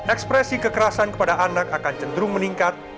ekspresi kekerasan kepada anak akan cenderung meningkat